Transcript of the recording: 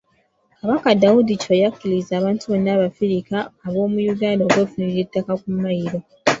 Kabaka Daudi Chwa yakkiriza abantu bonna Abafrika ab'omu Uganda okwefunira ettaka ku mailo.